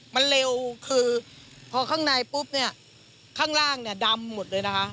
มันเร็วคือพอข้างในปุ๊บเนี่ยข้างล่างเนี่ยดำหมดเลยนะคะ